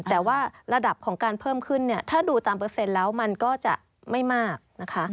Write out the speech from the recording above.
แต่ว่าระดับของการเพิ่มขึ้นเนี่ยถ้าดูตามเปอร์เซ็นต์แล้วมันก็จะไม่มากนะคะ